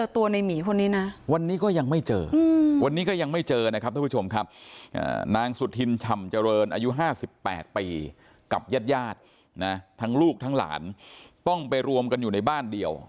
ทั้งลูกทั้งหลานต้องไปรวมกันอยู่ในบ้านเดียว